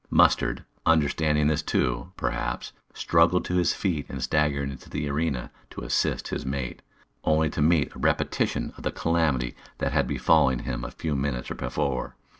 Mustard, understanding this too, perhaps, struggled to his feet and staggered into the arena to assist his mate, only to meet a repetition of the calamity that had befallen him a few minutes before.